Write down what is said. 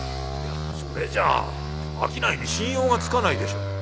「いやそれじゃあ商いに信用がつかないでしょ」。